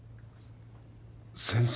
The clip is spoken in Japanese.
先生。